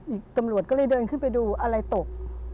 ตำรวจก็เลยเดินขึ้นไปดูอะไรตก